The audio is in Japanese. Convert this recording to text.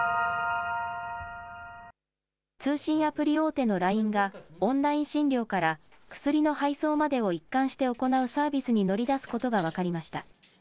通信アプリ大手のＬＩＮＥが、オンライン診療から薬の配送までを一貫して行うサービスに乗り出すことが分かりました。